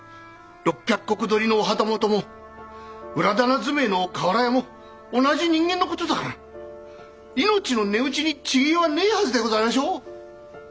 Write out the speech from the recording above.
６００石取りのお旗本も裏店住めえの瓦屋も同じ人間の事だから命の値打ちに違えはねえはずでございましょう？